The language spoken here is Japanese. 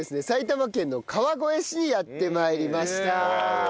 埼玉県の川越市にやって参りました。